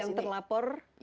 yang terlapor mendapatkan